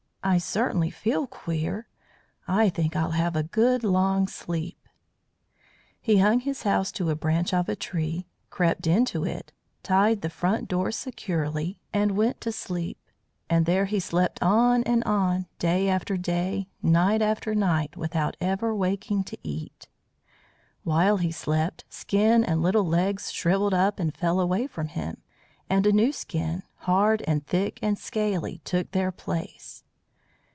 I certainly feel queer. I think I'll have a good long sleep." He hung his house to a branch of a tree, crept into it, tied the front door securely, and went to sleep. And there he slept on and on, day after day, night after night, without ever waking to eat. While he slept, skin and little legs shrivelled up and fell away from him, and a new skin, hard and thick and scaly, took their place.